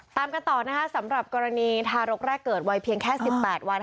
ตามกันต่อนะคะสำหรับกรณีทารกแรกเกิดวัยเพียงแค่๑๘วัน